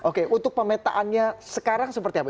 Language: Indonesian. oke untuk pemetaannya sekarang seperti apa